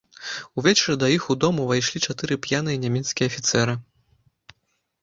Увечары да іх у дом увайшлі чатыры п'яныя нямецкія афіцэры.